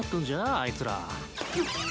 あいつら。